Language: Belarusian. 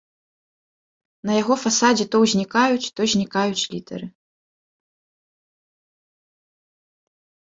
На яго фасадзе то ўзнікаюць, то знікаюць літары.